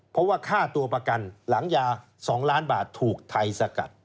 เพราะว่าค่าตัวประกันหลังยา๒ล้านบาทถูกไทยสกัด